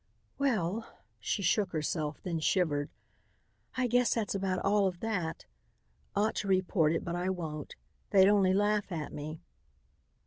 "Well," she shook herself, then shivered, "I guess that's about all of that. Ought to report it, but I won't. They'd only laugh at me."